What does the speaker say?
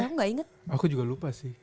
aku gak inget aku juga lupa sih